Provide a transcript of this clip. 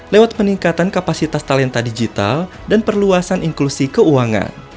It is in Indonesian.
lewat peningkatan kapasitas talenta digital dan perluasan inklusi keuangan